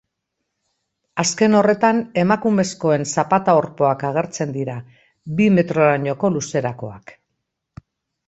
Azken horretan emakumezkoen zapata-orpoak agertzen dira, bi metrorainoko luzerakoak.